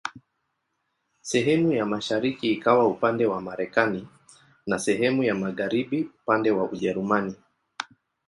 Sehemu ya mashariki ikawa upande wa Marekani na sehemu ya magharibi upande wa Ujerumani.